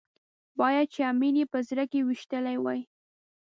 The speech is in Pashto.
باید چې امیر یې په زړه کې ويشتلی وای.